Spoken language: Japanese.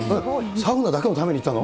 サウナだけのために行ったの？